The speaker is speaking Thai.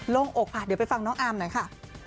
่งอกค่ะเดี๋ยวไปฟังน้องอามหน่อยค่ะ